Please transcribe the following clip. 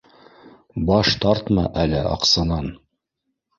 — Баш тартма әле аҡсанан